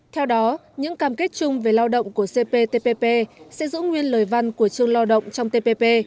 theo đó những cam kết chung về lao động của cptpp sẽ giữ nguyên lời văn của chương lao động trong tpp